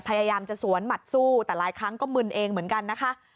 พยายามจะสวนหมัดสู้แต่หลายครั้งก็มึนเองเหมือนกันนะคะ